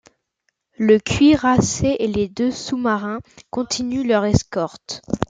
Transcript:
Le cuirassé et les deux sous marins continuent leurs escortes.